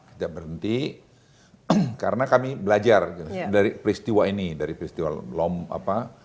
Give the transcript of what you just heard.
tidak berhenti karena kami belajar dari peristiwa ini dari peristiwa lom apa